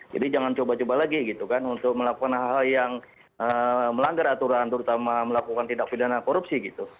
jadi jangan coba coba lagi gitu kan untuk melakukan hal hal yang melanggar aturan terutama melakukan tidak pidana korupsi gitu